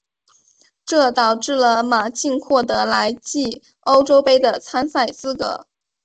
这导致了马竞获得来季欧洲杯的参赛资格。